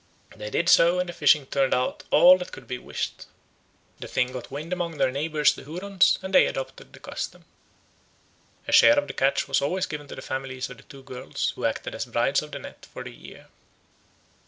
They did so, and the fishing turned out all that could be wished. The thing got wind among their neighbours the Hurons, and they adopted the custom. A share of the catch was always given to the families of the two girls who acted as brides of the net for the year.